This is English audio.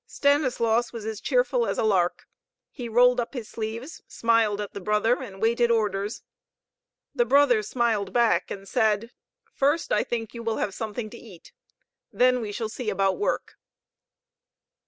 Stanislaus was as cheerful as a lark. He rolled up his sleeves, smiled at the brother, and waited orders. The brother smiled back, and said: "First, I think you will have something to eat. Then we shall see about work."